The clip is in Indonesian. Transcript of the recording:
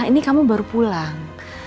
ini kamu baru pulang